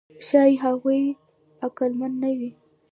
ښایي هغوی عقلمن نه وي.